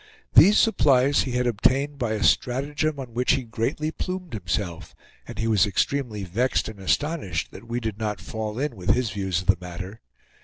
These supplies he had obtained by a stratagem on which he greatly plumed himself, and he was extremely vexed and astonished that we did not fall in with his views of the matter.